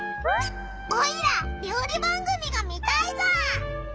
オイラりょう理番組が見たいぞ！